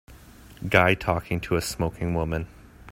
guy talking to a smoking woman.